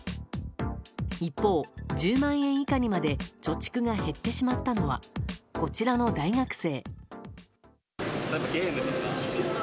一方、１０万円以下にまで貯蓄が減ってしまったのはこちらの大学生。